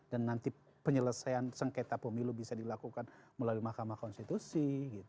dan nanti penyelesaian sengketa pemilu bisa dilakukan melalui mahkamah konstitusi